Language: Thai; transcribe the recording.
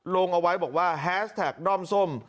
ลงเอาไว้บอกว่าแฮสแท็กด้อมส้ม